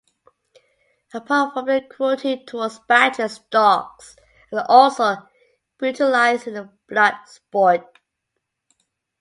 Apart from the cruelty towards badgers, dogs are also brutalized in the blood sport.